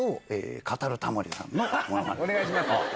お願いします。